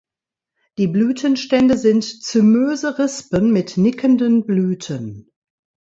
Die Blütenstände sind zymöse Rispen mit nickenden Blüten.